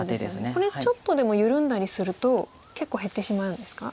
これちょっとでも緩んだりすると結構減ってしまうんですか？